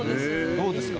どうですか？